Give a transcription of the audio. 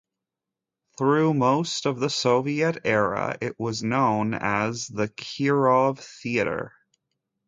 Through most of the Soviet era, it was known as the Kirov Theatre.